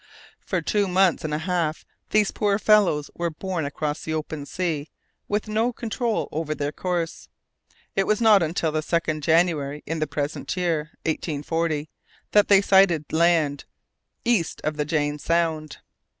For two months and a half these poor fellows were borne across the open sea, with no control over their course. It was not until the 2nd of January in the present year (1840) that they sighted land east of the Jane Sound.